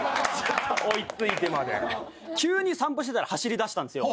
・追いついてまで・急に散歩してたら走り出したんですよ。